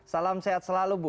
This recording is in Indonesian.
salam sehat selalu bu